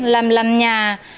làm làm nhà